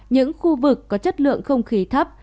các khu vực có chất lượng không khí thấp